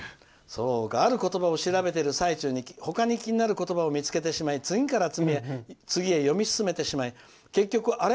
「ある言葉を調べてる最中に他に気になる言葉を見つけてしまい、次から次へ読み進めてしまい、結局あれ？